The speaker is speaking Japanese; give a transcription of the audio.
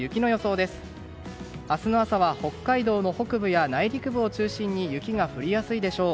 明日の朝は北海道の北部や内陸部を中心に雪が降りやすいでしょう。